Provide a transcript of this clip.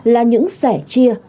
là những sẻ chia